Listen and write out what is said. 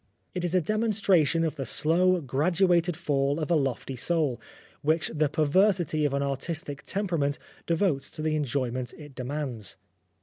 It is a demonstration of the slow, graduated fall of a lofty soul, which the perversity of an artistic temperament devotes to the enjoy ments it demands.